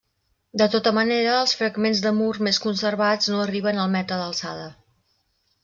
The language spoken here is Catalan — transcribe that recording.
De tota manera, els fragments de mur més conservats no arriben al metre d'alçada.